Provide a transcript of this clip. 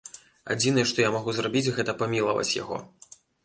Адзінае, што я магу зрабіць, гэта памілаваць яго.